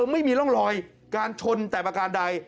ไม่มีร่องรอยการชนแต่ประการใด